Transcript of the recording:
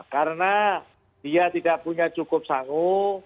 karena dia tidak punya cukup sangu